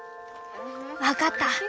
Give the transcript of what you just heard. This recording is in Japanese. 分かった。